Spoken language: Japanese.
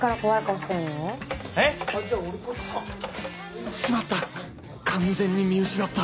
しまった！